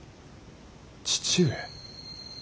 父上。